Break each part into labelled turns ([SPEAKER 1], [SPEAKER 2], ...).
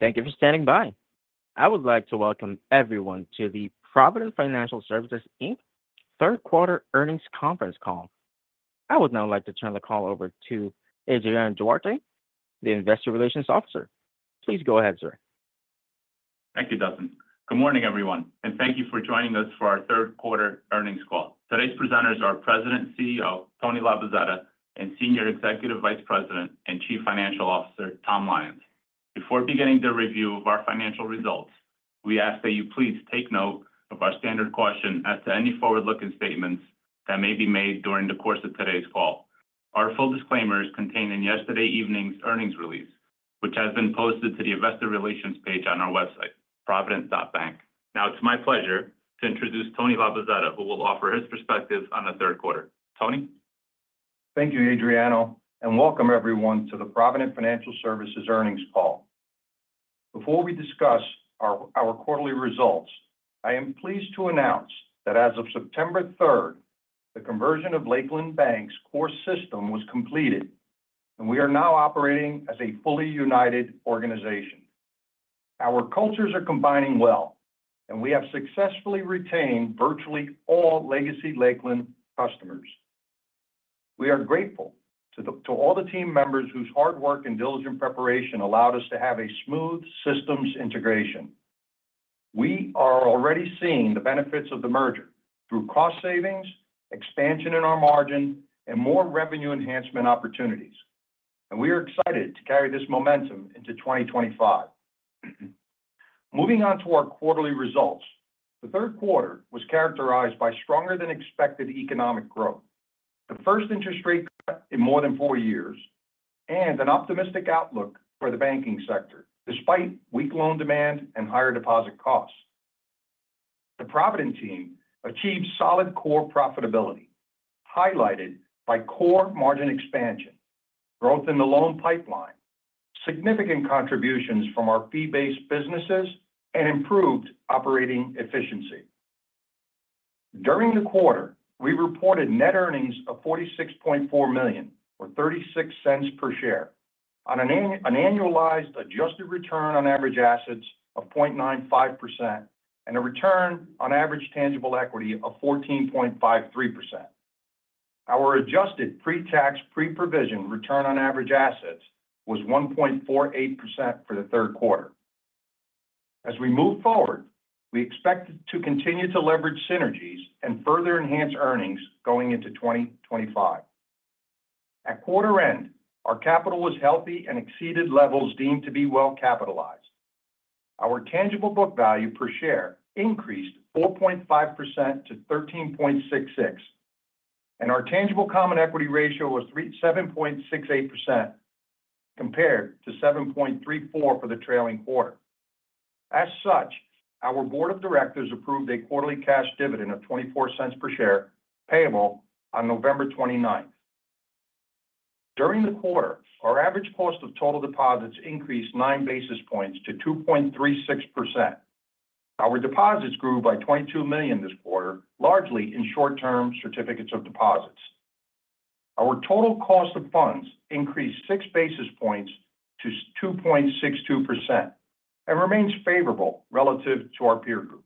[SPEAKER 1] Thank you for standing by. I would like to welcome everyone to the Provident Financial Services, Inc. Third Quarter Earnings Conference Call. I would now like to turn the call over to Adriano Duarte, the Investor Relations Officer. Please go ahead, sir.
[SPEAKER 2] Thank you, Dustin. Good morning, everyone, and thank you for joining us for our Third Quarter Earnings Call. Today's presenters are President and CEO Tony Labozzetta, and Senior Executive Vice President and Chief Financial Officer Tom Lyons. Before beginning the review of our financial results, we ask that you please take note of our standard question as to any forward-looking statements that may be made during the course of today's call. Our full disclaimers contain yesterday evening's earnings release, which has been posted to the Investor Relations page on our website, provident.bank. Now, it's my pleasure to introduce Tony Labozzetta, who will offer his perspective on the third quarter. Tony?
[SPEAKER 3] Thank you, Adriano, and welcome everyone to the Provident Financial Services Earnings Call. Before we discuss our quarterly results, I am pleased to announce that as of September 3rd, the conversion of Lakeland Bank's core system was completed, and we are now operating as a fully united organization. Our cultures are combining well, and we have successfully retained virtually all legacy Lakeland customers. We are grateful to all the team members whose hard work and diligent preparation allowed us to have a smooth systems integration. We are already seeing the benefits of the merger through cost savings, expansion in our margin, and more revenue enhancement opportunities, and we are excited to carry this momentum into 2025. Moving on to our quarterly results, the third quarter was characterized by stronger-than-expected economic growth, the first interest rate cut in more than four years, and an optimistic outlook for the banking sector despite weak loan demand and higher deposit costs. The Provident team achieved solid core profitability, highlighted by core margin expansion, growth in the loan pipeline, significant contributions from our fee-based businesses, and improved operating efficiency. During the quarter, we reported net earnings of $46.4 million, or $0.36 per share, on an annualized adjusted return on average assets of 0.95%, and a return on average tangible equity of 14.53%. Our adjusted pre-tax, pre-provision return on average assets was 1.48% for the third quarter. As we move forward, we expect to continue to leverage synergies and further enhance earnings going into 2025. At quarter end, our capital was healthy and exceeded levels deemed to be well capitalized. Our tangible book value per share increased 4.5% to $13.66, and our tangible common equity ratio was 7.68%, compared to 7.34% for the trailing quarter. As such, our board of directors approved a quarterly cash dividend of $0.24 per share payable on November 29th. During the quarter, our average cost of total deposits increased nine basis points to 2.36%. Our deposits grew by $22 million this quarter, largely in short-term certificates of deposit. Our total cost of funds increased six basis points to 2.62% and remains favorable relative to our peer group.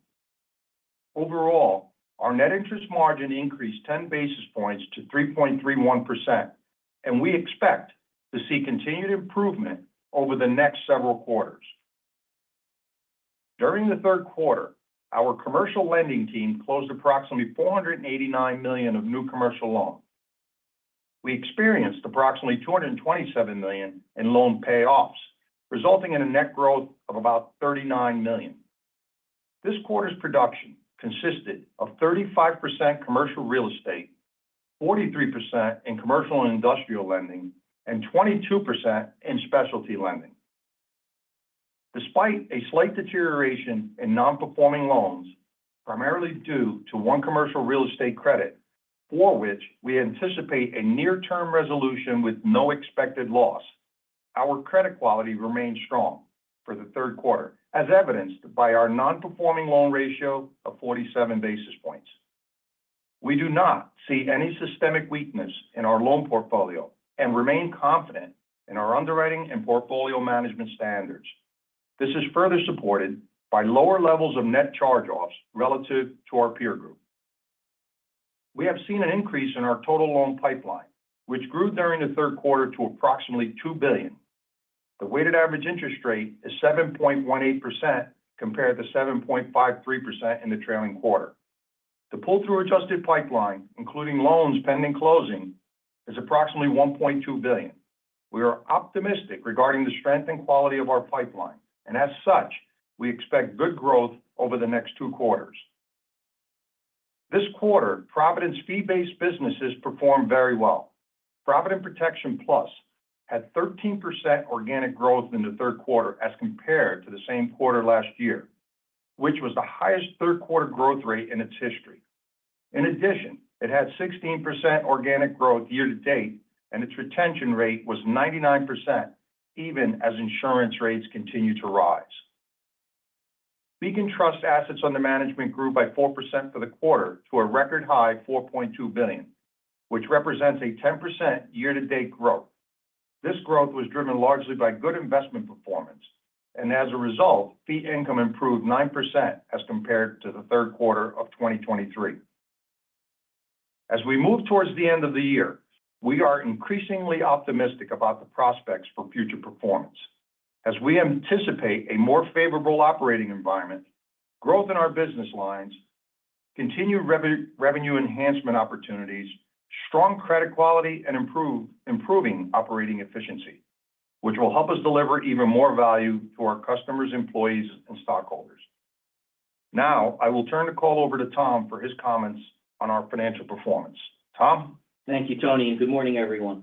[SPEAKER 3] Overall, our net interest margin increased ten basis points to 3.31%, and we expect to see continued improvement over the next several quarters. During the third quarter, our commercial lending team closed approximately $489 million of new commercial loans. We experienced approximately $227 million in loan payoffs, resulting in a net growth of about $39 million. This quarter's production consisted of 35% commercial real estate, 43% in commercial and industrial lending, and 22% in specialty lending. Despite a slight deterioration in non-performing loans, primarily due to one commercial real estate credit, for which we anticipate a near-term resolution with no expected loss, our credit quality remained strong for the third quarter, as evidenced by our non-performing loan ratio of 47 basis points. We do not see any systemic weakness in our loan portfolio and remain confident in our underwriting and portfolio management standards. This is further supported by lower levels of net charge-offs relative to our peer group. We have seen an increase in our total loan pipeline, which grew during the third quarter to approximately $2 billion. The weighted average interest rate is 7.18% compared to 7.53% in the trailing quarter. The pull-through adjusted pipeline, including loans pending closing, is approximately $1.2 billion. We are optimistic regarding the strength and quality of our pipeline, and as such, we expect good growth over the next two quarters. This quarter, Provident's fee-based businesses performed very well. Provident Protection Plus had 13% organic growth in the third quarter as compared to the same quarter last year, which was the highest third quarter growth rate in its history. In addition, it had 16% organic growth year to date, and its retention rate was 99%, even as insurance rates continued to rise. Beacon Trust Assets Under Management grew by 4% for the quarter to a record high of $4.2 billion, which represents a 10% year-to-date growth. This growth was driven largely by good investment performance, and as a result, fee income improved 9% as compared to the third quarter of 2023. As we move towards the end of the year, we are increasingly optimistic about the prospects for future performance, as we anticipate a more favorable operating environment, growth in our business lines, continued revenue enhancement opportunities, strong credit quality, and improving operating efficiency, which will help us deliver even more value to our customers, employees, and stockholders. Now, I will turn the call over to Tom for his comments on our financial performance. Tom?
[SPEAKER 4] Thank you, Tony, and good morning, everyone.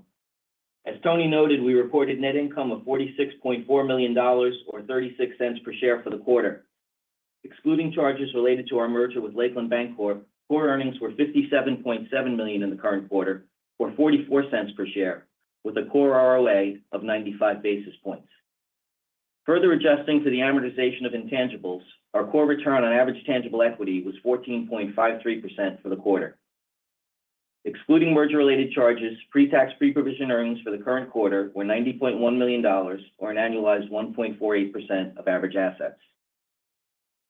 [SPEAKER 4] As Tony noted, we reported net income of $46.4 million, or $0.36 per share for the quarter. Excluding charges related to our merger with Lakeland Bancorp, core earnings were $57.7 million in the current quarter, or $0.44 per share, with a core ROA of 95 basis points. Further adjusting to the amortization of intangibles, our core return on average tangible equity was 14.53% for the quarter. Excluding merger-related charges, pre-tax, pre-provision earnings for the current quarter were $90.1 million, or an annualized 1.48% of average assets.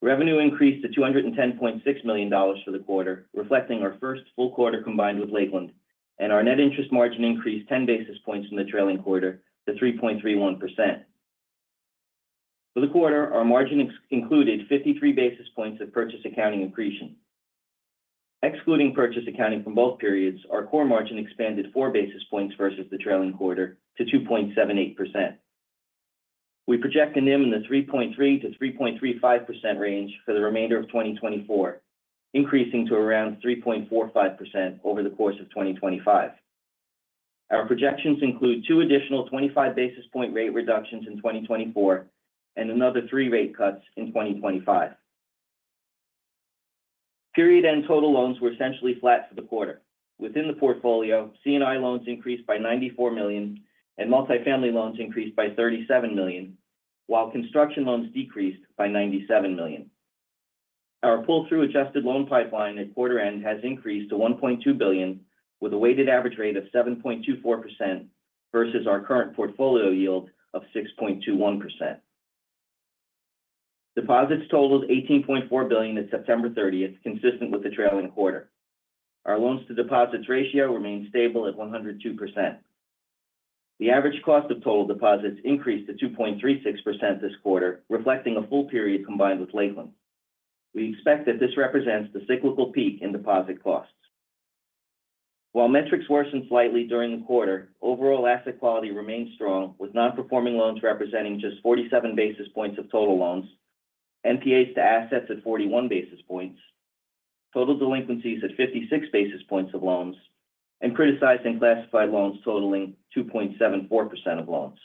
[SPEAKER 4] Revenue increased to $210.6 million for the quarter, reflecting our first full quarter combined with Lakeland, and our net interest margin increased ten basis points in the trailing quarter to 3.31%. For the quarter, our margin included 53 basis points of purchase accounting accretion. Excluding purchase accounting from both periods, our core margin expanded four basis points versus the trailing quarter to 2.78%. We project a NIM in the 3.3%-3.35% range for the remainder of 2024, increasing to around 3.45% over the course of 2025. Our projections include two additional 25 basis point rate reductions in 2024 and another three rate cuts in 2025. Period-end total loans were essentially flat for the quarter. Within the portfolio, C&I loans increased by $94 million, and multifamily loans increased by $37 million, while construction loans decreased by $97 million. Our pull-through adjusted loan pipeline at quarter end has increased to $1.2 billion, with a weighted average rate of 7.24% versus our current portfolio yield of 6.21%. Deposits totaled $18.4 billion at September 30th, consistent with the trailing quarter. Our loans-to-deposits ratio remains stable at 102%. The average cost of total deposits increased to 2.36% this quarter, reflecting a full period combined with Lakeland. We expect that this represents the cyclical peak in deposit costs. While metrics worsened slightly during the quarter, overall asset quality remained strong, with non-performing loans representing just 47 basis points of total loans, NPAs to assets at 41 basis points, total delinquencies at 56 basis points of loans, and criticized and classified loans totaling 2.74% of loans.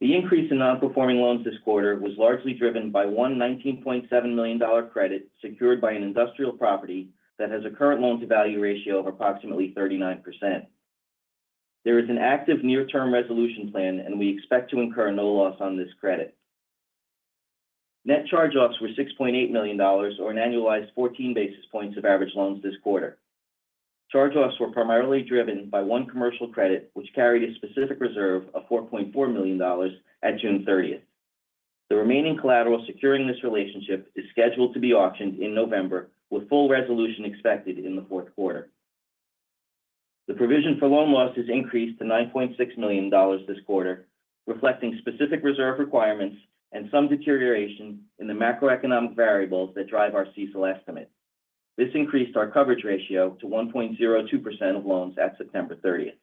[SPEAKER 4] The increase in non-performing loans this quarter was largely driven by one $19.7 million credit secured by an industrial property that has a current loan-to-value ratio of approximately 39%. There is an active near-term resolution plan, and we expect to incur no loss on this credit. Net charge-offs were $6.8 million, or an annualized 14 basis points of average loans this quarter. Charge-offs were primarily driven by one commercial credit, which carried a specific reserve of $4.4 million at June 30th. The remaining collateral securing this relationship is scheduled to be auctioned in November, with full resolution expected in the fourth quarter. The provision for loan loss has increased to $9.6 million this quarter, reflecting specific reserve requirements and some deterioration in the macroeconomic variables that drive our CECL estimate. This increased our coverage ratio to 1.02% of loans at September 30th.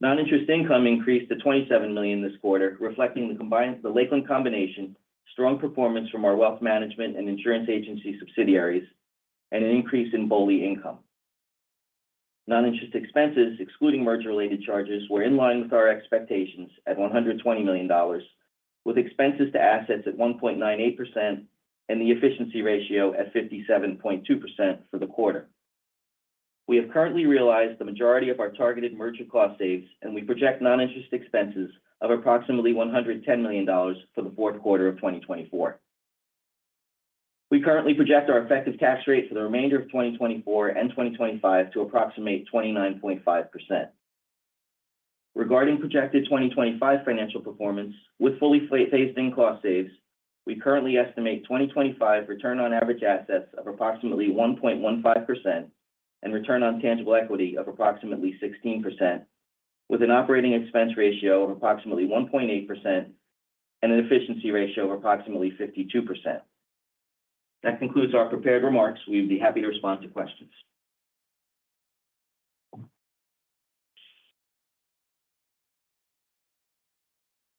[SPEAKER 4] Non-interest income increased to $27 million this quarter, reflecting the Lakeland combination's strong performance from our wealth management and insurance agency subsidiaries and an increase in BOLI income. Non-interest expenses, excluding merger-related charges, were in line with our expectations at $120 million, with expenses to assets at 1.98% and the efficiency ratio at 57.2% for the quarter. We have currently realized the majority of our targeted merger cost saves, and we project non-interest expenses of approximately $110 million for the fourth quarter of 2024. We currently project our effective tax rate for the remainder of 2024 and 2025 to approximate 29.5%. Regarding projected 2025 financial performance, with fully phased-in cost saves, we currently estimate 2025 return on average assets of approximately 1.15% and return on tangible equity of approximately 16%, with an operating expense ratio of approximately 1.8% and an efficiency ratio of approximately 52%. That concludes our prepared remarks. We'd be happy to respond to questions.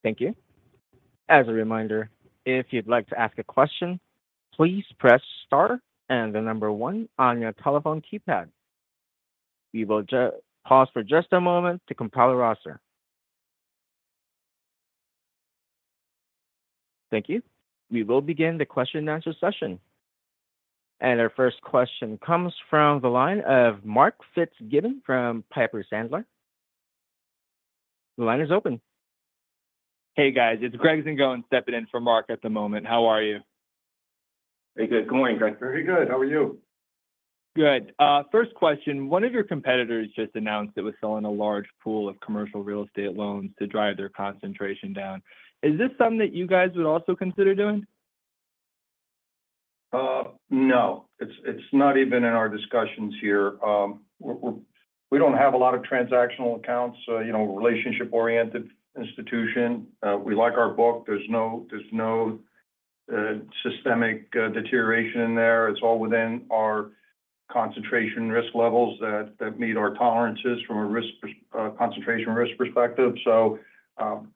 [SPEAKER 1] Thank you. As a reminder, if you'd like to ask a question, please press star and the number one on your telephone keypad. We will pause for just a moment to compile a roster. Thank you. We will begin the question-and-answer session. And our first question comes from the line of Mark Fitzgibbon from Piper Sandler. The line is open.
[SPEAKER 5] Hey, guys. It's Greg Zingone stepping in for Mark at the moment. How are you?
[SPEAKER 4] Hey, good. Good morning, Greg.
[SPEAKER 3] Very good. How are you?
[SPEAKER 5] Good. First question. One of your competitors just announced it was selling a large pool of commercial real estate loans to drive their concentration down. Is this something that you guys would also consider doing?
[SPEAKER 3] No. It's not even in our discussions here. We don't have a lot of transactional accounts, a relationship-oriented institution. We like our book. There's no systemic deterioration in there. It's all within our concentration risk levels that meet our tolerances from a concentration risk perspective. So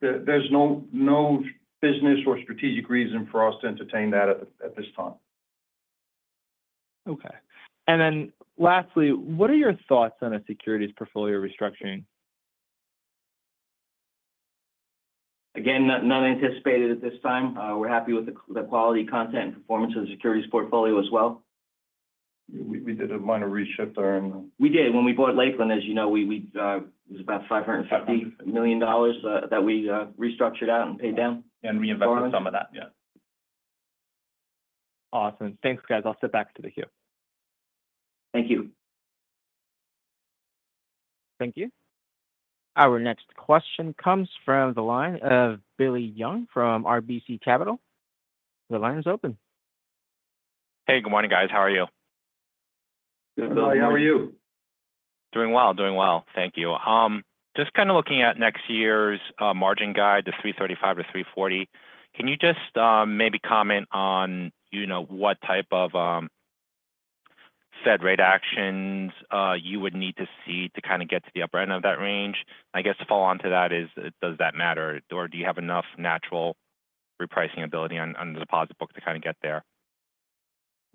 [SPEAKER 3] there's no business or strategic reason for us to entertain that at this time.
[SPEAKER 5] Okay, and then lastly, what are your thoughts on a securities portfolio restructuring?
[SPEAKER 4] Again, none anticipated at this time. We're happy with the quality content and performance of the securities portfolio as well.
[SPEAKER 3] We did a minor reshift there in.
[SPEAKER 4] We did. When we bought Lakeland, as you know, it was about $550 million that we restructured out and paid down.
[SPEAKER 5] And reinvested some of that. Yeah. Awesome. Thanks, guys. I'll sit back to the queue.
[SPEAKER 4] Thank you.
[SPEAKER 1] Thank you. Our next question comes from the line of Billy Young from RBC Capital. The line is open.
[SPEAKER 6] Hey, good morning, guys. How are you?
[SPEAKER 3] Good, Billy. How are you?
[SPEAKER 6] Doing well. Doing well. Thank you. Just kind of looking at next year's margin guide, the 335-340, can you just maybe comment on what type of Fed rate actions you would need to see to kind of get to the upper end of that range? I guess to follow on to that is, does that matter, or do you have enough natural repricing ability on the deposit book to kind of get there?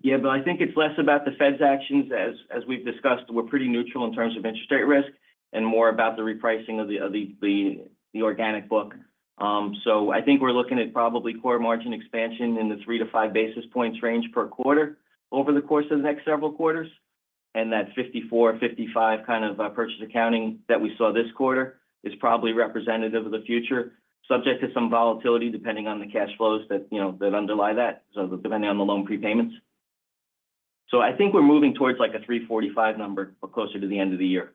[SPEAKER 4] Yeah, but I think it's less about the Fed's actions. As we've discussed, we're pretty neutral in terms of interest rate risk and more about the repricing of the organic book. So I think we're looking at probably core margin expansion in the three to five basis points range per quarter over the course of the next several quarters. And that 54, 55 kind of purchase accounting that we saw this quarter is probably representative of the future, subject to some volatility depending on the cash flows that underlie that, so depending on the loan prepayments. So I think we're moving towards a 345 number, but closer to the end of the year,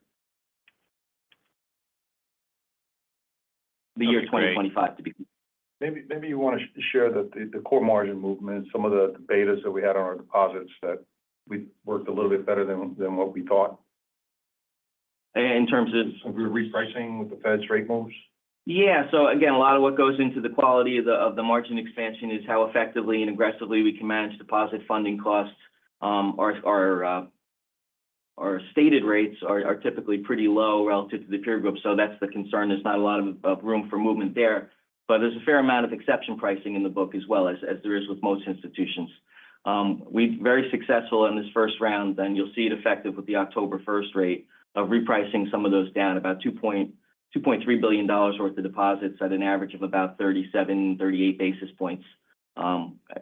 [SPEAKER 4] the year 2025.
[SPEAKER 3] Maybe you want to share the core margin movement, some of the betas that we had on our deposits that we worked a little bit better than what we thought.
[SPEAKER 6] In terms of. Of repricing with the Fed's rate moves?
[SPEAKER 4] Yeah. So again, a lot of what goes into the quality of the margin expansion is how effectively and aggressively we can manage deposit funding costs. Our stated rates are typically pretty low relative to the peer group, so that's the concern. There's not a lot of room for movement there. But there's a fair amount of exception pricing in the book as well as there is with most institutions. We've been very successful in this first round, and you'll see it effective with the October 1st rate of repricing some of those down, about $2.3 billion worth of deposits at an average of about 37, 38 basis points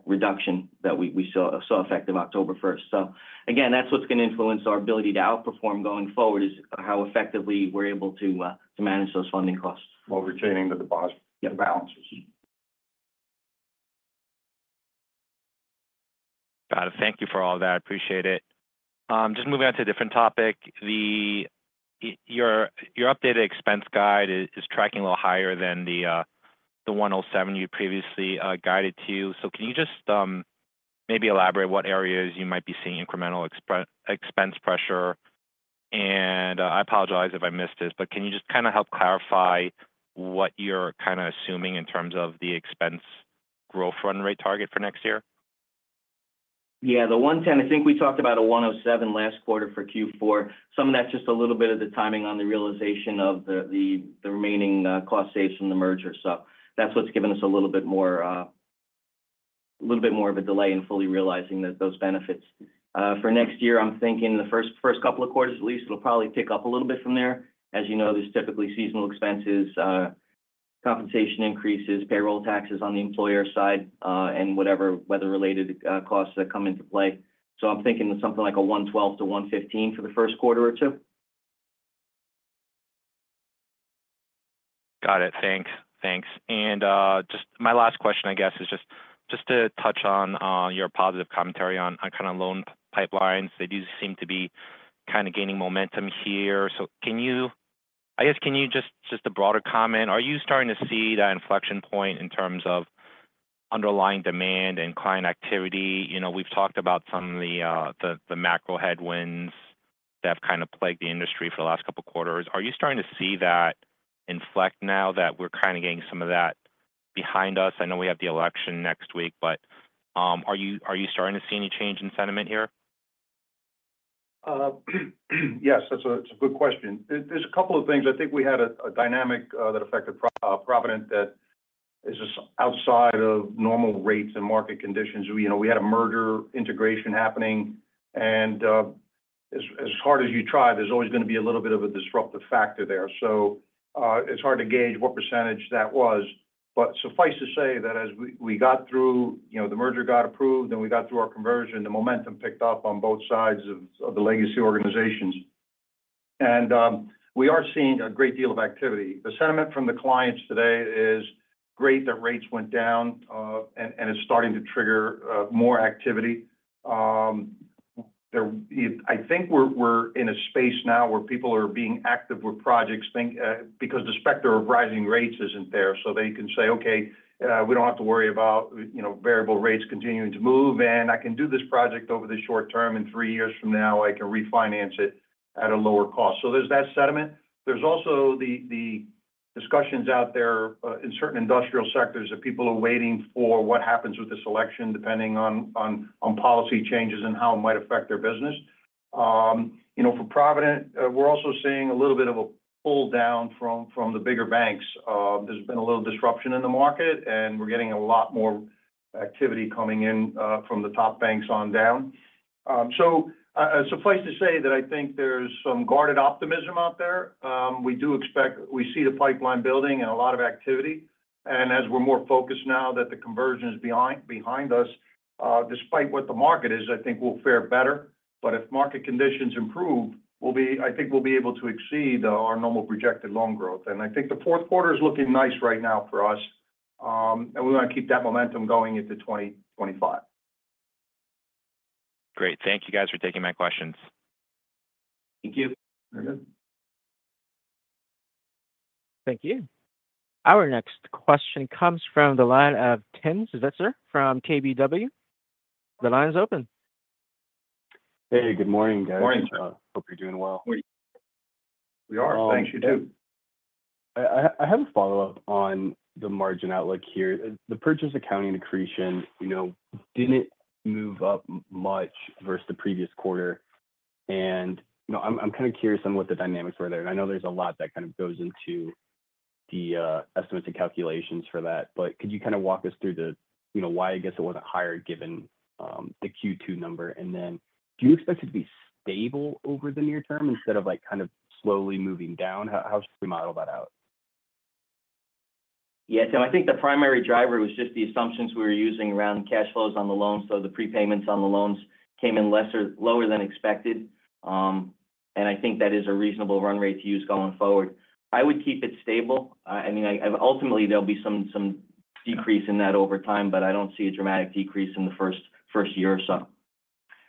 [SPEAKER 4] reduction that we saw effective October 1st. So again, that's what's going to influence our ability to outperform going forward is how effectively we're able to manage those funding costs.
[SPEAKER 3] While retaining the deposit balances.
[SPEAKER 6] Got it. Thank you for all that. Appreciate it. Just moving on to a different topic. Your updated expense guide is tracking a little higher than the 107 you previously guided to. So can you just maybe elaborate what areas you might be seeing incremental expense pressure? And I apologize if I missed this, but can you just kind of help clarify what you're kind of assuming in terms of the expense growth run rate target for next year?
[SPEAKER 4] Yeah. The 110, I think we talked about a 107 last quarter for Q4. Some of that's just a little bit of the timing on the realization of the remaining cost saves from the merger. So that's what's given us a little bit more of a delay in fully realizing those benefits. For next year, I'm thinking the first couple of quarters at least, it'll probably pick up a little bit from there. As you know, there's typically seasonal expenses, compensation increases, payroll taxes on the employer side, and whatever weather-related costs that come into play. So I'm thinking something like a 112-115 for the first quarter or two.
[SPEAKER 6] Got it. Thanks. Thanks. And just my last question, I guess, is just to touch on your positive commentary on kind of loan pipelines. They do seem to be kind of gaining momentum here. So I guess can you just a broader comment? Are you starting to see that inflection point in terms of underlying demand and client activity? We've talked about some of the macro headwinds that have kind of plagued the industry for the last couple of quarters. Are you starting to see that inflect now that we're kind of getting some of that behind us? I know we have the election next week, but are you starting to see any change in sentiment here?
[SPEAKER 3] Yes, that's a good question. There's a couple of things. I think we had a dynamic that affected Provident that is just outside of normal rates and market conditions. We had a merger integration happening. And as hard as you try, there's always going to be a little bit of a disruptive factor there. So it's hard to gauge what percentage that was. But suffice to say that as we got through, the merger got approved, then we got through our conversion, the momentum picked up on both sides of the legacy organizations. And we are seeing a great deal of activity. The sentiment from the clients today is great that rates went down, and it's starting to trigger more activity. I think we're in a space now where people are being active with projects because the specter of rising rates isn't there. So they can say, "Okay, we don't have to worry about variable rates continuing to move, and I can do this project over the short term. In three years from now, I can refinance it at a lower cost." So there's that sentiment. There's also the discussions out there in certain industrial sectors that people are waiting for what happens with this election depending on policy changes and how it might affect their business. For Provident, we're also seeing a little bit of a pull down from the bigger banks. There's been a little disruption in the market, and we're getting a lot more activity coming in from the top banks on down. So suffice to say that I think there's some guarded optimism out there. We see the pipeline building and a lot of activity. And as we're more focused now that the conversion is behind us, despite what the market is, I think we'll fare better. But if market conditions improve, I think we'll be able to exceed our normal projected loan growth. And I think the fourth quarter is looking nice right now for us, and we want to keep that momentum going into 2025.
[SPEAKER 6] Great. Thank you, guys, for taking my questions.
[SPEAKER 4] Thank you.
[SPEAKER 3] Very good.
[SPEAKER 1] Thank you. Our next question comes from the line of Tim Switzer, is that sir, from KBW. The line is open.
[SPEAKER 3] Hey, good morning, guys.
[SPEAKER 7] Morning, sir.
[SPEAKER 3] Hope you're doing well.
[SPEAKER 7] We are. Thanks. You too. I have a follow-up on the margin outlook here. The purchase accounting accretion didn't move up much versus the previous quarter. And I'm kind of curious on what the dynamics were there. And I know there's a lot that kind of goes into the estimates and calculations for that. But could you kind of walk us through why I guess it wasn't higher given the Q2 number? And then do you expect it to be stable over the near term instead of kind of slowly moving down? How should we model that out?
[SPEAKER 4] Yeah. So I think the primary driver was just the assumptions we were using around cash flows on the loans. So the prepayments on the loans came in lower than expected. And I think that is a reasonable run rate to use going forward. I would keep it stable. I mean, ultimately, there'll be some decrease in that over time, but I don't see a dramatic decrease in the first year or so.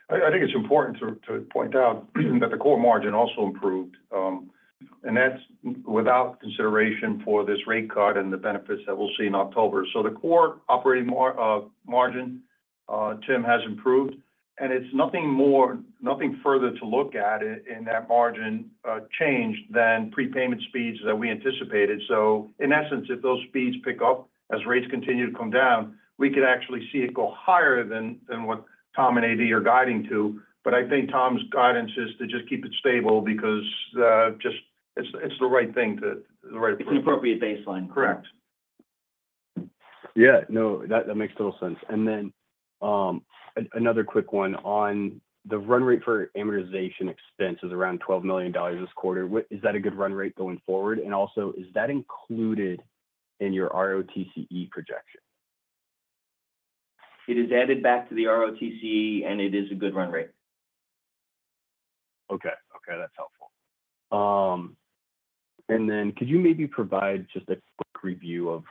[SPEAKER 3] I think it's important to point out that the core margin also improved. And that's without consideration for this rate cut and the benefits that we'll see in October. So the core operating margin, Tim, has improved. And it's nothing further to look at in that margin change than prepayment speeds that we anticipated. So in essence, if those speeds pick up as rates continue to come down, we could actually see it go higher than what Tom and AD are guiding to. But I think Tom's guidance is to just keep it stable because it's the right thing to.
[SPEAKER 4] It's an appropriate baseline.
[SPEAKER 7] Correct. Yeah. No, that makes total sense. And then another quick one on the run rate for amortization expenses around $12 million this quarter. Is that a good run rate going forward? And also, is that included in your ROTCE projection?
[SPEAKER 4] It is added back to the ROTCE, and it is a good run rate.
[SPEAKER 7] Okay. Okay. That's helpful. And then could you maybe provide just a quick review of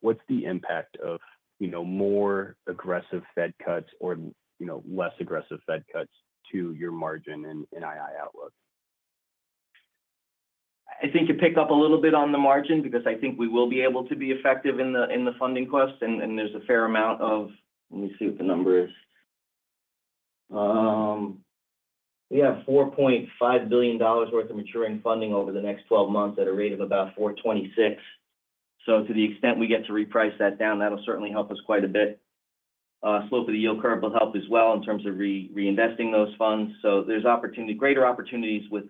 [SPEAKER 7] what's the impact of more aggressive Fed cuts or less aggressive Fed cuts to your margin in II outlook?
[SPEAKER 4] I think it picked up a little bit on the margin because I think we will be able to be effective in the funding costs, and there's a fair amount of, let me see what the number is. We have $4.5 billion worth of maturing funding over the next 12 months at a rate of about 426. So to the extent we get to reprice that down, that'll certainly help us quite a bit. Slope of the yield curve will help as well in terms of reinvesting those funds, so there's greater opportunities with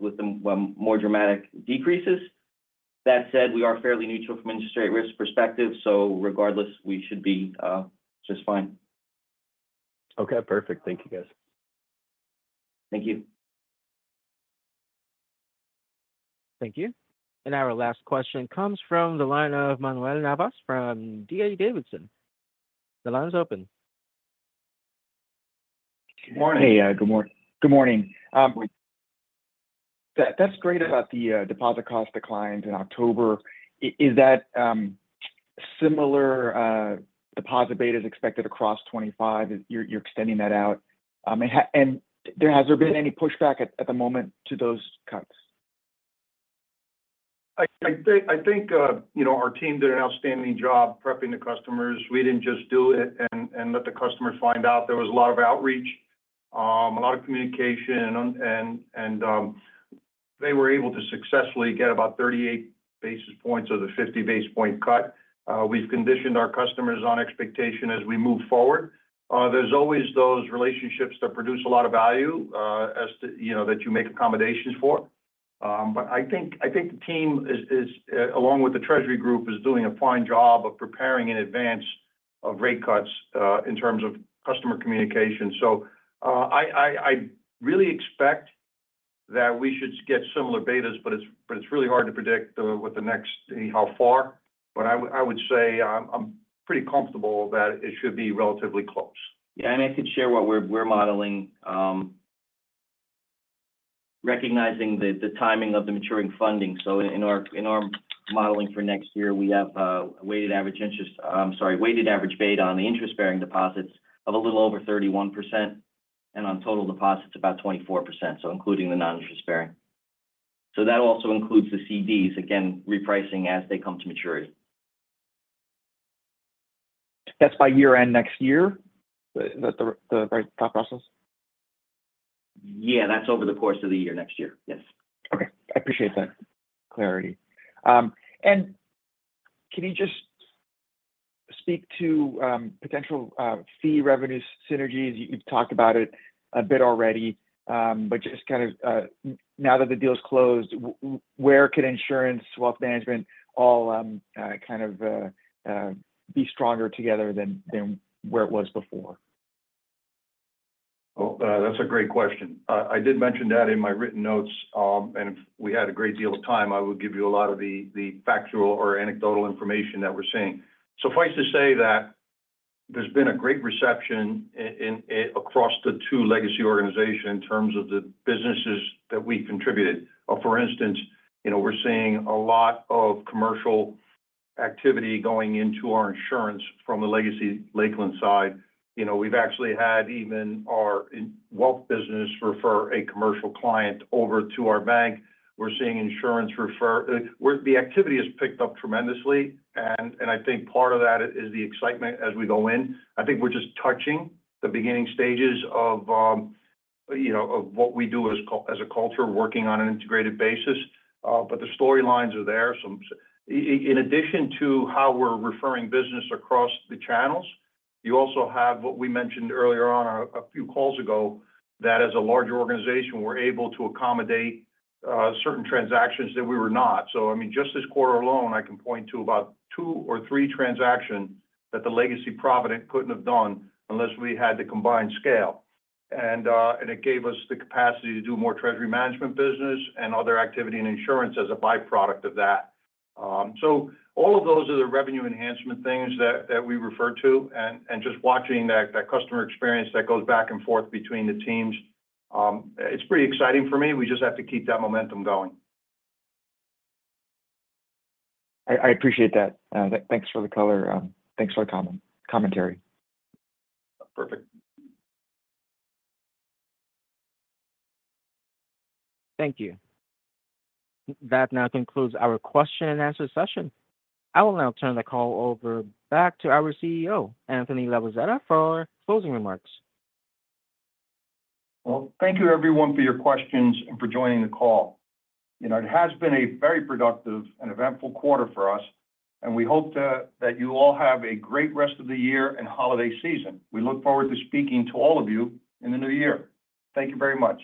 [SPEAKER 4] more dramatic decreases. That said, we are fairly neutral from an interest rate risk perspective, so regardless, we should be just fine.
[SPEAKER 7] Okay. Perfect. Thank you, guys.
[SPEAKER 4] Thank you.
[SPEAKER 1] Thank you. And our last question comes from the line of Manuel Navas from D.A. Davidson. The line is open.
[SPEAKER 8] Good morning.
[SPEAKER 3] Hey, good morning.
[SPEAKER 8] Good morning. That's great about the deposit cost declines in October. Is that similar deposit beta expected across 2025? You're extending that out. Has there been any pushback at the moment to those cuts?
[SPEAKER 3] I think our team did an outstanding job prepping the customers. We didn't just do it and let the customers find out. There was a lot of outreach, a lot of communication, and they were able to successfully get about 38 basis points of the 50-basis-point cut. We've conditioned our customers on expectation as we move forward. There's always those relationships that produce a lot of value that you make accommodations for. I think the team, along with the Treasury Group, is doing a fine job of preparing in advance of rate cuts in terms of customer communication. So I really expect that we should get similar betas, but it's really hard to predict how far. But I would say I'm pretty comfortable that it should be relatively close.
[SPEAKER 4] Yeah. And I could share what we're modeling, recognizing the timing of the maturing funding. So in our modeling for next year, we have a weighted average interest sorry, weighted average beta on the interest-bearing deposits of a little over 31%, and on total deposits, about 24%, so including the non-interest-bearing. So that also includes the CDs, again, repricing as they come to maturity.
[SPEAKER 8] That's by year-end next year, the top process?
[SPEAKER 4] Yeah. That's over the course of the year next year. Yes.
[SPEAKER 8] Okay. I appreciate that clarity. And can you just speak to potential fee revenue synergies? You've talked about it a bit already, but just kind of now that the deal is closed, where could insurance, wealth management, all kind of be stronger together than where it was before?
[SPEAKER 3] That's a great question. I did mention that in my written notes, and if we had a great deal of time, I would give you a lot of the factual or anecdotal information that we're seeing. Suffice to say that there's been a great reception across the two legacy organizations in terms of the businesses that we've contributed. For instance, we're seeing a lot of commercial activity going into our insurance from the legacy Lakeland side. We've actually had even our wealth business refer a commercial client over to our bank. We're seeing insurance referrals. The activity has picked up tremendously. And I think part of that is the excitement as we go in. I think we're just touching the beginning stages of what we do as a culture, working on an integrated basis. But the storylines are there. In addition to how we're referring business across the channels, you also have what we mentioned earlier on a few calls ago that as a larger organization, we're able to accommodate certain transactions that we were not, so I mean, just this quarter alone, I can point to about two or three transactions that the legacy Provident couldn't have done unless we had the combined scale, and it gave us the capacity to do more Treasury management business and other activity in insurance as a byproduct of that, so all of those are the revenue enhancement things that we refer to, and just watching that customer experience that goes back and forth between the teams, it's pretty exciting for me. We just have to keep that momentum going.
[SPEAKER 8] I appreciate that. Thanks for the color. Thanks for the commentary.
[SPEAKER 3] Perfect.
[SPEAKER 1] Thank you. That now concludes our question and answer session. I will now turn the call over back to our CEO, Anthony Labozzetta, for closing remarks.
[SPEAKER 3] Thank you, everyone, for your questions and for joining the call. It has been a very productive and eventful quarter for us, and we hope that you all have a great rest of the year and holiday season. We look forward to speaking to all of you in the new year. Thank you very much.